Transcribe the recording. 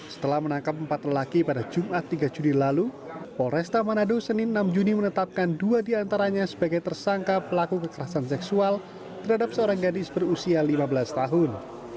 setelah menangkap empat lelaki pada jumat tiga juli lalu polresta manado senin enam juni menetapkan dua diantaranya sebagai tersangka pelaku kekerasan seksual terhadap seorang gadis berusia lima belas tahun